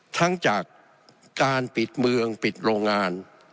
ทั้งจากการปิดเมืองปิดโรงงาน